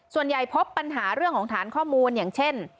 พบปัญหาเรื่องของฐานข้อมูลอย่างเช่น